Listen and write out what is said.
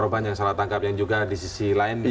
korban yang salah tangkap yang juga disisi lain